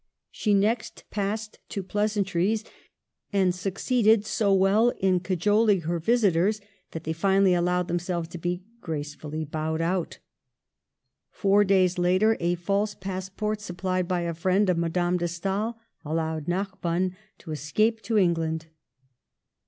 She next passed to pleasantries, and succeeded so well in cajoling her visitors that they finally allowed themselves to be gracefully bowed out Four days later a false passport supplied by a friend of Madame de Stael allowed Narbonne to escape to England.